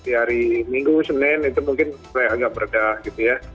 di hari minggu senin itu mungkin agak berdah gitu ya